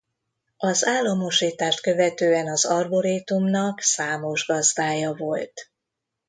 Az államosítást követően az Arborétumnak számos gazdája volt.